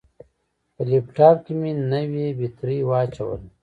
په لپټاپ کې مې نوې بطرۍ واچوله.